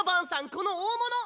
この大物！